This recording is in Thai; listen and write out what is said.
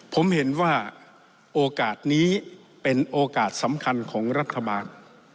ผมเห็นว่าโอกาสนี้เป็นโอกาสสำคัญของรัฐบาล